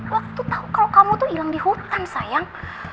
waktu tahu kalau kamu tuh hilang di hutan sayang